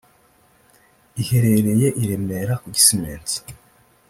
iherereye i Remera ku Gisementi